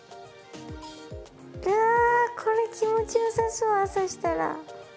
いやこれ気持ちよさそう朝したら。